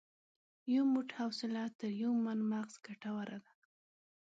یو موټ حوصله تر یو من مغز ګټوره ده.